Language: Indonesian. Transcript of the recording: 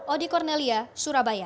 odi kornelia surabaya